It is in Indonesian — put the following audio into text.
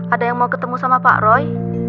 ada yang mau ketemu sama pak roy